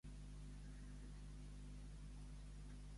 Pagar amb carn.